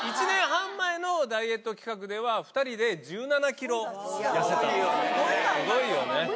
１年半前のダイエット企画では２人で１７ｋｇ痩せたスゴいよね。